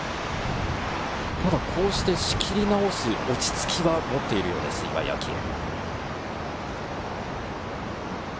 ただ、こうして仕切り直す落ち着きは持っているようです、岩井明愛。